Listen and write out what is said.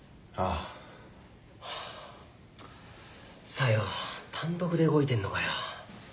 小夜単独で動いてんのかよ。